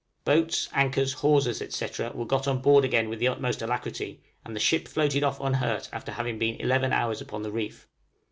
Boats, anchors, hawsers, etc., were got on board again with the utmost alacrity, and the ship floated off unhurt after having been eleven hours upon the reef.